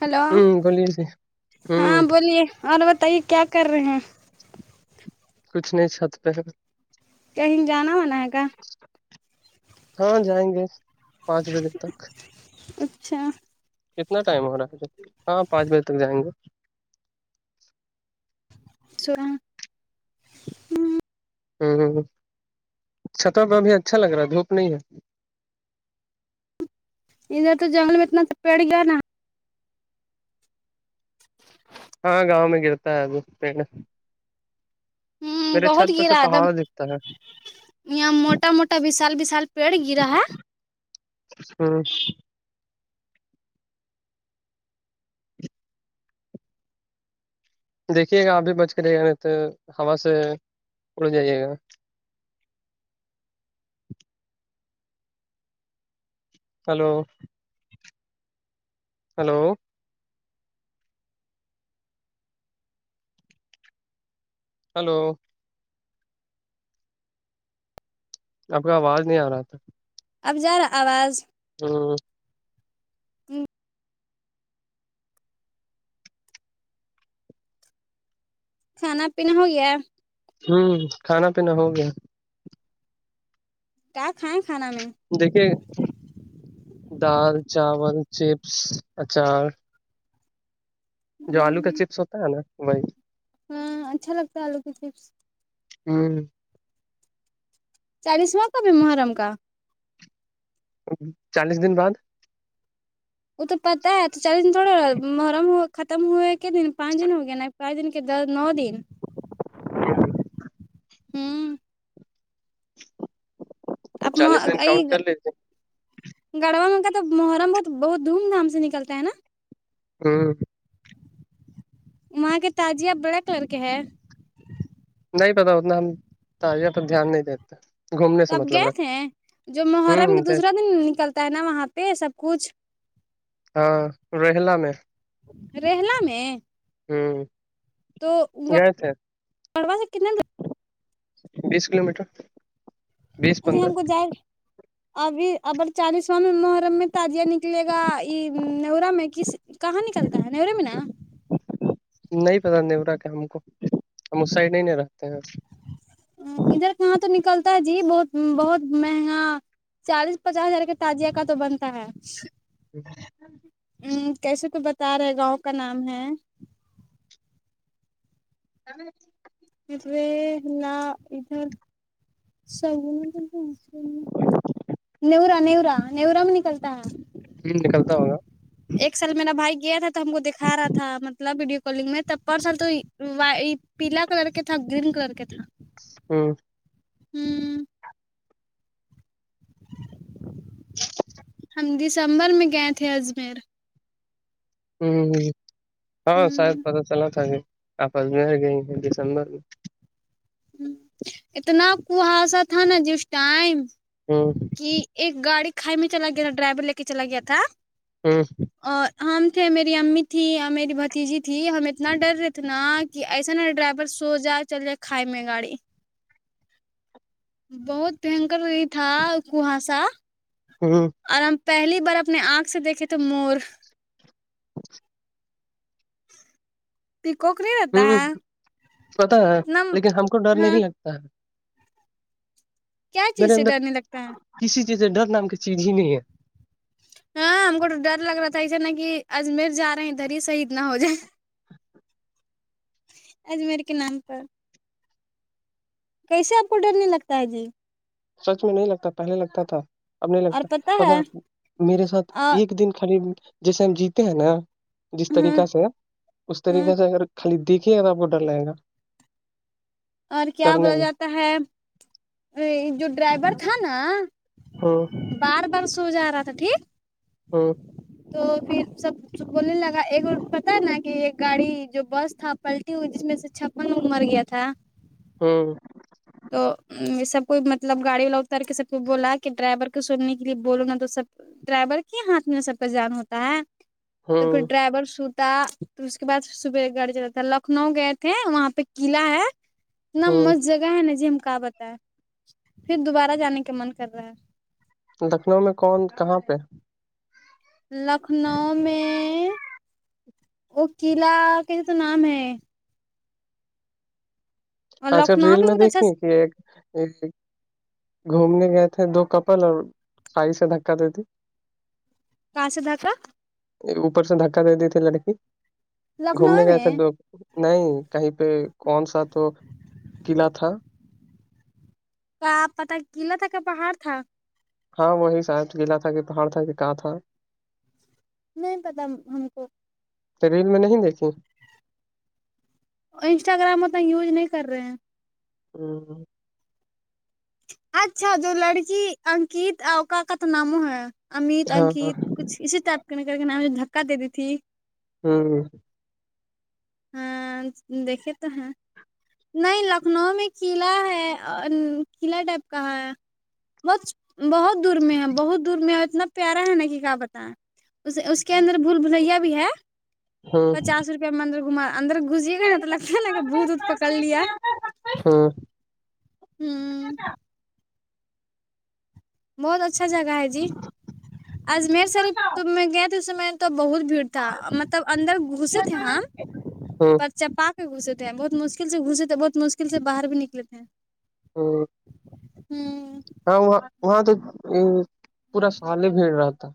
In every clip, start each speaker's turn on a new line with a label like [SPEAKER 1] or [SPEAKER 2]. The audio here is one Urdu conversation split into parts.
[SPEAKER 1] ہلو
[SPEAKER 2] ہوں بولیے جی
[SPEAKER 1] ہاں
[SPEAKER 2] ہوں
[SPEAKER 1] بولیے اور بتائیے کیا کر رہے ہیں
[SPEAKER 2] کچھ نہیں چھت پہ ہے
[SPEAKER 1] کہیں جانا وانا ہےکا
[SPEAKER 2] ہاں جائیں گے پانچ بجے تک
[SPEAKER 1] اچھا
[SPEAKER 2] کتنا ٹائم ہو رہا ہے ہاں پانچ بجے تک جائیں گے
[SPEAKER 1] چورا
[SPEAKER 2] ہمم چھت پا بھی اچھا لگ رہا ہے دھوپ نہیں ہے
[SPEAKER 1] ادھر تو جنگل میں اتنا تو پڑ گیا نا
[SPEAKER 2] ہاں گاؤں میں گرتا ہے وہ پیڑ
[SPEAKER 1] ہ
[SPEAKER 2] میرے چھت
[SPEAKER 1] بہت
[SPEAKER 2] پر سے
[SPEAKER 1] گرا ایک
[SPEAKER 2] پہاڑ
[SPEAKER 1] دم
[SPEAKER 2] دکھتا ہے
[SPEAKER 1] یہاں موٹا موٹا وشال وشال پیڑ گرا ہا
[SPEAKER 2] ہمم دیکھیے گا آپ بھی بچ کرے گا نہیں تو ہوا سے اڑ جائیے گا ہلو ہلو ہلو آپ کا آواز نہیں آ رہا تھا
[SPEAKER 1] اب جا رہا آواز
[SPEAKER 2] ہمم
[SPEAKER 1] جی کھانا پیینا ہوگیا
[SPEAKER 2] ہوں کھانا پینا ہو گیا
[SPEAKER 1] کیا کھائیں کھانا میں
[SPEAKER 2] دیھکے دال چاول چیپس اچار جو آلو کا چپس ہوتا ہے نا وہی
[SPEAKER 1] ہاں اچھا لگتا ہے آلو کے چپس
[SPEAKER 2] ہوں
[SPEAKER 1] چالیسواں کب ہے محرم کا
[SPEAKER 2] چالیس دن بعد
[SPEAKER 1] وہ تو پتہ ہے تو چالیس دن تھوڑا محرم ہو ختم ہوئے کے پانچ دن ہو گئےنا پانچ دن کے د نؤ دن ہوں اپنا
[SPEAKER 2] چالیس دن
[SPEAKER 1] ائی
[SPEAKER 2] کاؤنٹ
[SPEAKER 1] گا
[SPEAKER 2] کر لیتے
[SPEAKER 1] گڑوا کا تو محرم بہت بہت دھوم دھام سے نکلتا ہے نا
[SPEAKER 2] ہاں
[SPEAKER 1] وہاں کے تاجیہ بڑے کلر کے ہے
[SPEAKER 2] نہیں پتا اتنا ہم تازیہ پر دھیان نہیں دیتے گھومنے
[SPEAKER 1] تو
[SPEAKER 2] سے
[SPEAKER 1] آپ
[SPEAKER 2] مطلب
[SPEAKER 1] گئے
[SPEAKER 2] رکھ
[SPEAKER 1] تھے جو محرم کے
[SPEAKER 2] ہوں
[SPEAKER 1] دوسرا دن نکلتا ہے نا وہاں پہ سب کچھ
[SPEAKER 2] ہاں رہلا میں
[SPEAKER 1] رہلا میں
[SPEAKER 2] ہوں گئے تھے
[SPEAKER 1] توڑا سے کتنے [unintelligible]
[SPEAKER 2] بیس کلو میٹر بیس
[SPEAKER 1] اجی
[SPEAKER 2] پندرہ
[SPEAKER 1] ہم کو جائے ابھی ابر چالیس واں محرم میں تاجیہ نکلے گا یہ نویرہ میں کس کہاں نکلتا ہے نیورے میں نہ
[SPEAKER 2] نہیں پتا نیورہ کہ ہم کو ہم اس سائڈ نہیں نا رہتے ہیں
[SPEAKER 1] ادھر کہاں تو نکلتا ہے جی بہت بہت مہنگا چالیس پچاس ہزار کا تازیہ کا تو بنتا ہے
[SPEAKER 2] [inaudible]
[SPEAKER 1] کیسے تو بتا رہے گاؤں کا نام ہے
[SPEAKER 2] [unintelligible]
[SPEAKER 1] پے نہ ادھر سگ تو [unintelligible] نیورا نیورا نیورا میں نکلتا ہے
[SPEAKER 2] ہوں نکلتا ہوگا
[SPEAKER 1] ایک سال میرا بھائی گیا تھا تو ہم کو دکھا رہا تھا مطلب ویڈیو کونگ میں تر تھا تو وائی پیلا کلر کے تھا گرین کلر کے تھا
[SPEAKER 2] ہوں
[SPEAKER 1] ہوں
[SPEAKER 2] [inaudible]
[SPEAKER 1] ہم ڈسمبر میں گئے تھے اجمیر
[SPEAKER 2] ہوں ہاں شاید
[SPEAKER 1] ہ
[SPEAKER 2] پتہ چلا تھا کہ آپ اجمیر گئ ہیں ڈسمبر میں
[SPEAKER 1] ہ اتنا کحاسہ تھا نا جس ٹائم
[SPEAKER 2] ہوں
[SPEAKER 1] کہ ایک گاڑی کھائی میں چلا گیا تھا ڈرئیور لے کر چلا گیا تھا
[SPEAKER 2] ہوں
[SPEAKER 1] آ ہم تھے میری امی تھی اور میری بھتیجی تھی ہم اتنا ڈر رہے تھے نا کہ ایسا نا ڈرائیور سو جائے چلے کھائی میں گاڑی بہت بھیانکر نہیں تھا کوہسا
[SPEAKER 2] ہوں
[SPEAKER 1] اور ہم پہلی بار اپنے آنکھ سے دیکھے تھے مور پی کوک رے
[SPEAKER 2] ہوں پتا ہے لیکن ہم کو ڈر
[SPEAKER 1] ہاں
[SPEAKER 2] نہیں لگتا ہے
[SPEAKER 1] کیا چیز
[SPEAKER 2] میرے
[SPEAKER 1] سے
[SPEAKER 2] اندر
[SPEAKER 1] ڈرنے لگتا ہے
[SPEAKER 2] کسی چیز سے ڈر نام کی چیز ہی نہیں ہے
[SPEAKER 1] ہاں ہم کو تو ڈر لگا تھا ایسے نا کہ اجمیر جا رہے ہیں دھر ہی شہید نا ہو جائے اجمیر کے نام پر کیسے آپ کو ڈر نہیں لگتا ہے جی
[SPEAKER 2] سچ میں نہیں لگتا پہلے لگتا تھا اب نہیں
[SPEAKER 1] اور
[SPEAKER 2] لگتا
[SPEAKER 1] پتہ ہے
[SPEAKER 2] تو میرے ساتھ
[SPEAKER 1] اور
[SPEAKER 2] ایک دن خالی جیسے ہم جیتے ہیں ناں جس
[SPEAKER 1] ہاں
[SPEAKER 2] طریقہ سے اس
[SPEAKER 1] ہاں
[SPEAKER 2] طریقے سے اگر خالی دیکھے گا تو آپ کو ڈر لگے گا
[SPEAKER 1] اور کیا
[SPEAKER 2] کرنے
[SPEAKER 1] بولا
[SPEAKER 2] میں
[SPEAKER 1] جاتا ہے اے جو ڈرائیور تھا ناں
[SPEAKER 2] ہوں
[SPEAKER 1] بار بار سو جارہا تھا ٹھیک
[SPEAKER 2] ہوں
[SPEAKER 1] تو پھر سب بولنے لگا ایک اور پتہ ہے ناں کہ ایک گاڑی جو بس تھا پلٹی ہوئی جس میں سے چھپن لوگ مرگیا تھا
[SPEAKER 2] ہوں
[SPEAKER 1] تو سب کو مطلب گاڑی والا اتر کے سب کو بولا کہ ڈرائیور کو سننے کے لیے بولو ناں تو سب ڈرائیور کے ہاتھ میں سب کا جان ہوتا ہے تو پھر
[SPEAKER 2] ہوں
[SPEAKER 1] ڈرائیور سوٹ ت پھر اس کے بعد صبح گڑ جانا تھا لکھنؤ گئے تھے وہاں پہ قلعہ ہے اتنا
[SPEAKER 2] ہوں
[SPEAKER 1] مست جگہ ہے ناں جی ہم کہاں بتائے پھر دوبارہ جانے کا من کر رہا ہے
[SPEAKER 2] لکھنؤ میں کون کہاں پہ
[SPEAKER 1] لکھنؤ میں وہ قلعہ کیسے تو نام ہے اور
[SPEAKER 2] اچھا
[SPEAKER 1] لکھنؤ
[SPEAKER 2] ریل
[SPEAKER 1] بھی
[SPEAKER 2] میں
[SPEAKER 1] بہت اچھا
[SPEAKER 2] دیکھیں کہ ایک ایک گھومنے گئے تھے دو کپل اور کھائی سے دھکا دے دی
[SPEAKER 1] کہاں سے دھکا
[SPEAKER 2] اوپر سے دھکا دے دی تھی لڑکی
[SPEAKER 1] لکھنؤ
[SPEAKER 2] گھومنے گیے
[SPEAKER 1] میں
[SPEAKER 2] تھے دو نہیں کہیں پہ کون سا تو قلعہ تھا
[SPEAKER 1] کا آپ پتہ قلعہ تک کا پہاڑ تھا
[SPEAKER 2] ہاں وہی صاحب قلعہ تھا کہ پہاڑ تھا کہ کاں تھا
[SPEAKER 1] نہیں پتا ہم کو
[SPEAKER 2] تو ریل میں نہیں دیکھیں
[SPEAKER 1] انسٹاگرام اتنا یوز نہیں کررہے ہیں
[SPEAKER 2] ہوں
[SPEAKER 1] اچھا جو لڑکی انکت کا تو نامو ہے امیت
[SPEAKER 2] ہاں ہ
[SPEAKER 1] انکت کچھ اسی ٹائپ کے نہ کرکے نام ہے دھکا دے دی تھی
[SPEAKER 2] ہوں
[SPEAKER 1] ہاں دیکھے تو ہیں نہیں لکھنؤ میں قلعہ ہے اور قلعہ ٹائپ کہاں ہے بہت بہت دور میں ہے بہت دور میں ہے اتنا پیارا ہے ناں کہ کیا بتائیں اس اس کے اندر بھول بھلیا بھی ہے
[SPEAKER 2] ہ
[SPEAKER 1] پچاس روپیہ مندر گھما اندر گھسی گئے لگنے لگا بھوت وت پکڑلیا ہوں
[SPEAKER 2] ہ
[SPEAKER 1] بہت اچھا جگہ ہے جی اجمیر شریف تو میں گیا تھا اس میں تو بہت بھیڑ تھا مطلب اندر گھسے تھے ہم
[SPEAKER 2] ہ
[SPEAKER 1] پر چپاک گھسے تھے بہت مشکل سے گھسے تھے بہت مشکل سے باہر بھی نکلے تھے
[SPEAKER 2] ہوں
[SPEAKER 1] ہوں
[SPEAKER 2] ہاں وہاں وہاں تو پورا سال ہی بھیڑ رہتا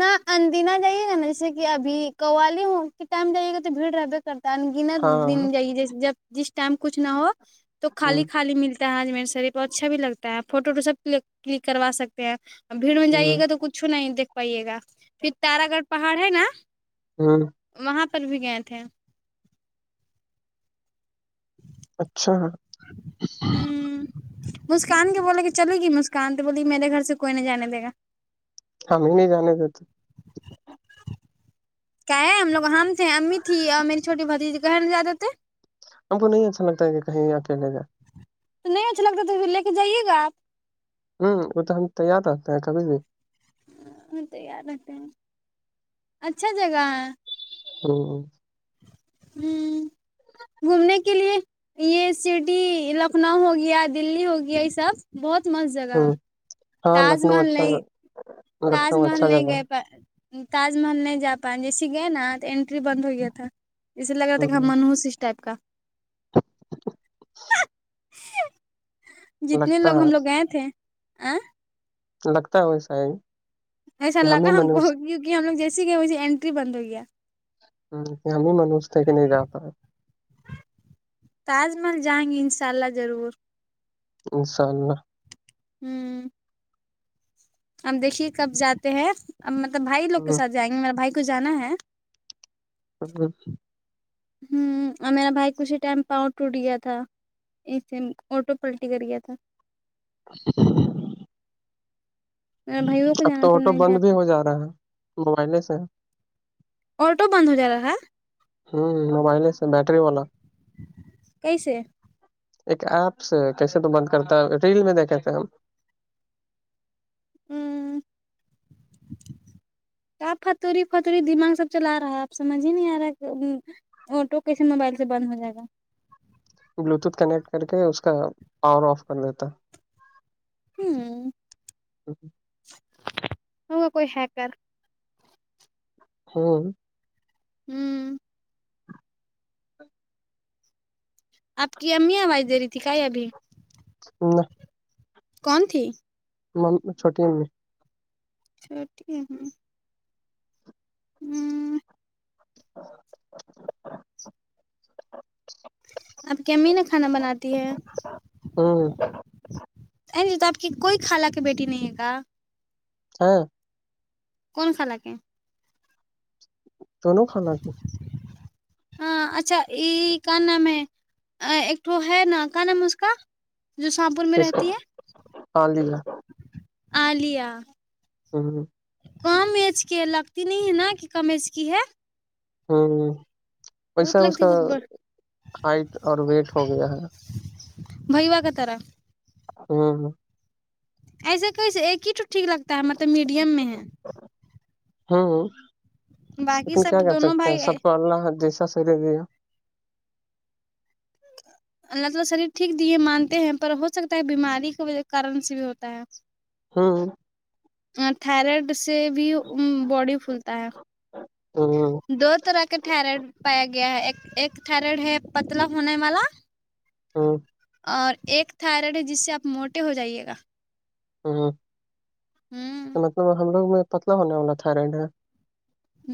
[SPEAKER 1] نہ اندینا جائیے گا ناں جیسے کہ ابھی کوالی ہو کے ٹائم جائیے گا تو بھیڑ رہبے کرتا ہے دنت
[SPEAKER 2] ہاں
[SPEAKER 1] دن جائیے جیسے جب جس ٹائم کچھ نہ ہو تو
[SPEAKER 2] ہ
[SPEAKER 1] خالی خالی ملتی تا ہے اجمیر شریف اچھا بھی لگتا ہے فوٹو وٹو سب کلک کروا سکتے ہیں بھیڑ میں جائیے
[SPEAKER 2] ہ
[SPEAKER 1] گا تو کچھو نہیں دیکھ پائیے گا پھر تارا گڑھ پہاڑ ہے ناں
[SPEAKER 2] ہوں
[SPEAKER 1] وہاں پر بھی گئے تھے
[SPEAKER 2] اچھا
[SPEAKER 1] ہوں مسکان کے بولے کہ چلے گی مسکان تو بولی میرے گھر سے کوئی نہیں جانے دے گا
[SPEAKER 2] ہمیں نہیں جانے دیتے
[SPEAKER 1] کیا ہے ہم لوگ ہم تھے امی تھی اور میری چھوٹی بھتیجی کہے نہیں جانے دے تے
[SPEAKER 2] ہم کو نہیں اچھا لگتا ہے کہیں اکیلے جائے
[SPEAKER 1] تو نہیں اچھا لگتا تو پھر لے کے جائیےگا آپ
[SPEAKER 2] ہوں وہ تو ہم تیار رہتے ہیں کبھی بھی
[SPEAKER 1] ہاں تیار رہتے ہیں اچھا جگہ ہے
[SPEAKER 2] ہمم
[SPEAKER 1] ہوں گھومنے کے لیے یہ سٹی لکھنؤ ہو گیا دلی ہو گیا یہ سب بہت مست جگہ
[SPEAKER 2] ہ ہاں
[SPEAKER 1] تاج
[SPEAKER 2] لکھنؤ
[SPEAKER 1] محل
[SPEAKER 2] اچھا
[SPEAKER 1] نہیں تاج
[SPEAKER 2] لکھنؤ
[SPEAKER 1] محل
[SPEAKER 2] اچھا
[SPEAKER 1] نہیں
[SPEAKER 2] جگہ
[SPEAKER 1] گئے تاج محل نہیں جا پائے گئے اسلیے ہے نا تو انینٹری بند ہو گیا تھا اسیے لگ رہا
[SPEAKER 2] ہے
[SPEAKER 1] تھا کہ ہم
[SPEAKER 2] ہ
[SPEAKER 1] منوس اس ٹائپ کا جتنے
[SPEAKER 2] لگتا
[SPEAKER 1] لوگ
[SPEAKER 2] ہے
[SPEAKER 1] ہم لوگ گئے تھے آ
[SPEAKER 2] لگتا ہے ویسا ہی
[SPEAKER 1] ایسا
[SPEAKER 2] کہ
[SPEAKER 1] لگا ہم کو
[SPEAKER 2] منوج
[SPEAKER 1] کیونکہ ہم لوگ جیسے گئے ویسے اینٹری بند ہو گیا
[SPEAKER 2] ہم ہی منھوس تھے کے نہیں جاتا ہے
[SPEAKER 1] تاج محل جائیں گے انشاء اللہ ضرور
[SPEAKER 2] انشاء اللہ
[SPEAKER 1] ہوں اب دیکھیے کب جاتے ہیں اب مطلب بھائی لوگ کے
[SPEAKER 2] ہ
[SPEAKER 1] ساتھ جائیں گے میرا بھائی کو جانا ہے
[SPEAKER 2] [unintelligible]
[SPEAKER 1] ہوں اور میرا بھائی کشی ٹائم پاؤں ٹوٹ گیا تھا ایک دن آٹو پلٹی کر گیا تھا میرا بھائیوں کو
[SPEAKER 2] اب
[SPEAKER 1] جانا
[SPEAKER 2] تو آٹو
[SPEAKER 1] نہیں
[SPEAKER 2] بند بھی
[SPEAKER 1] جاتا
[SPEAKER 2] ہو جا رہا ہے موبائلے سے
[SPEAKER 1] آٹو بند ہو جا رہا ہے
[SPEAKER 2] ہوں موبائل سے بیٹری والا
[SPEAKER 1] کئیسے
[SPEAKER 2] ایک ایپ سے کیسے تو بند کرتا ہے ریل میں دیکھے تھے ہم
[SPEAKER 1] ہوں آپ پتوری پتوری دماغ سب چلا رہا ہے آپ سمج ہی نہیں آ رہا آٹو کیسے موبائل سے بند ہو جائے گا
[SPEAKER 2] بلوٹوتھ کنیکٹ کر کے اس کا پاور آف کر دیتا
[SPEAKER 1] ہوں ہوگا کوئی ہیکر
[SPEAKER 2] ہاں
[SPEAKER 1] ہوں آپ کی امی آواز دے رہی تھی کا یہ ابھی
[SPEAKER 2] نہ
[SPEAKER 1] کون تھی
[SPEAKER 2] چھوٹی امی
[SPEAKER 1] چھوٹی امی ہوں آپ کے امی نا کھانا بناتی ہے
[SPEAKER 2] ہاں
[SPEAKER 1] تو آپ کی کوئی خالہ کی بیٹی نہیں ہے کا
[SPEAKER 2] ہیں
[SPEAKER 1] کون خالہ کے
[SPEAKER 2] دونوں خالہ کی
[SPEAKER 1] ہاں اچھا یہ کیا نام ہے ایک تو ہے نا کا نام اس کا جو شامپور میں رہتی ہے
[SPEAKER 2] خال دلہ
[SPEAKER 1] عالیا
[SPEAKER 2] ہاں
[SPEAKER 1] کم ایچ کے لگتی نہیں ہے نا کہ کمچ کی ہے
[SPEAKER 2] ہوں ویسا
[SPEAKER 1] بہت
[SPEAKER 2] اس
[SPEAKER 1] لگتی
[SPEAKER 2] کا
[SPEAKER 1] بہت
[SPEAKER 2] ہائٹ اور ویٹ ہو گیا ہے
[SPEAKER 1] بائی و کاتارا
[SPEAKER 2] ہاں
[SPEAKER 1] ایسا کیسے ایک ہی تو ٹھیک لگتا ہے مطلب میڈیم میں ہے
[SPEAKER 2] ہوں
[SPEAKER 1] باقی
[SPEAKER 2] لیکن کیا
[SPEAKER 1] سب
[SPEAKER 2] کر
[SPEAKER 1] دونوں
[SPEAKER 2] سکتے ہیں
[SPEAKER 1] بھائی
[SPEAKER 2] سب کو اللہ جیسا شریر دیا
[SPEAKER 1] اللہ تعالی شریر ٹھیک دیے مانتے ہیں پر ہو سکتا ہے بیماری کے کارن سے بھی ہوتا ہے
[SPEAKER 2] ہاں
[SPEAKER 1] تھائرائڈ سے بھی باڈی پھولتا ہے
[SPEAKER 2] ہاں
[SPEAKER 1] دو طرح کے تھارائڈ پایا گیا ہے ایک ایک تھائرائڈ ہے پتلا ہونے والا
[SPEAKER 2] ہاں
[SPEAKER 1] اور ایک تھائرائڈ ہے جس سے آپ موٹے ہو جائیے گا
[SPEAKER 2] ہاں
[SPEAKER 1] ہوں
[SPEAKER 2] مطلب ہم لوگ میں پتلا ہونا والا تھاائیلینڈ ہے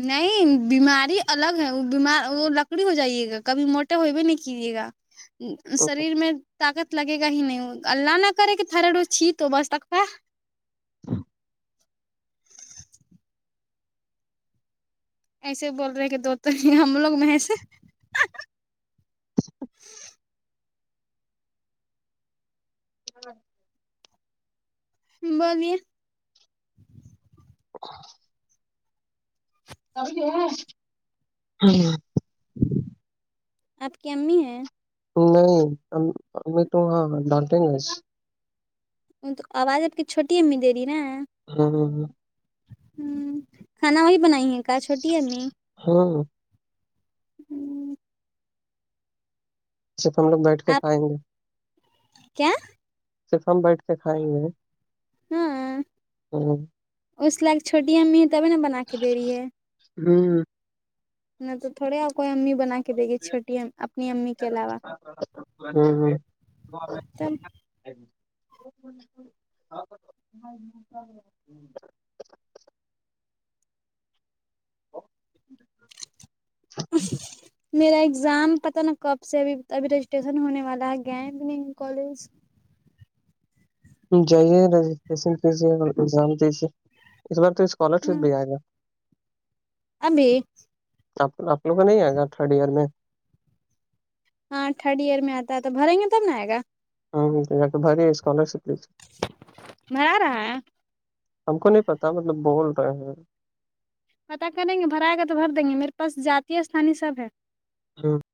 [SPEAKER 1] نہیں بیماری الگ ہے وہ بیمار وہ لکڑی ہو جائیے گا کبھی موٹ تو ہوئیب نیک جیگا
[SPEAKER 2] ہے
[SPEAKER 1] شریر میں طاقت لگے گا ہی نہیں اللہ نہ کرے کہ تھرڈو چھی توبہ استغفار ایسے بول رہے کہ دو تو نہیں ہم لوگ میں ایسے
[SPEAKER 2] ہاں
[SPEAKER 1] بغیر
[SPEAKER 2] [unintelligible] [unintelligible]
[SPEAKER 1] آپ کی امی ہیں
[SPEAKER 2] نہیں امی تو ہاں ڈانٹیں گ
[SPEAKER 1] وہ تو آواز آپ کی چھٹی امی دے رہی نا
[SPEAKER 2] ہاں ہاں ہاں
[SPEAKER 1] ہمم کھانا وہی بنائی ہے کا چھوٹی امی
[SPEAKER 2] ہاں صرف ہم لوگ بیٹھ کے
[SPEAKER 1] آپ
[SPEAKER 2] کھائیں گے
[SPEAKER 1] کیا
[SPEAKER 2] صرف ہم بیٹھ کے کھائیں گے
[SPEAKER 1] ہاں
[SPEAKER 2] ہاں
[SPEAKER 1] اس لائق چھوٹی امی ہیں تبھی نا بنا کے دے رہی ہے
[SPEAKER 2] ہمم
[SPEAKER 1] نہ تو تھوڑے آ کوئی امی بنا کے دے گے چھوٹی اپنی امی کے علاوہ
[SPEAKER 2] ہوں ہوں۔
[SPEAKER 1] تب
[SPEAKER 2] [unintelligible]
[SPEAKER 1] اس میرا ایگزام پتا ن کب سے ابھی ابھی رجسٹریشن ہونے والا ہے گ بھی نہیں کالج
[SPEAKER 2] جائیے رجسٹریشن کیجیے ایگزام دیجے اس بار تو اسکالر شپ
[SPEAKER 1] ہاں
[SPEAKER 2] بھی آئے گا
[SPEAKER 1] ابھی
[SPEAKER 2] آپ آپ لگ کو نہیں آئے گا تھرڈ ایئر میں
[SPEAKER 1] ہاں تھرڈ ایئر میں آتا ہے تو بھریں گے تب ن آئے گا
[SPEAKER 2] ہاں باری ہے اسکالرشپ لی
[SPEAKER 1] میں آ رہا ہے
[SPEAKER 2] ہم کو نہیں پتا مطلب بول رہے ہیں
[SPEAKER 1] پتا کریں گے بھرائے گا تو بھر دیں گے میرے پاس جاتیہ استانی سب ہے
[SPEAKER 2] [unintelligible]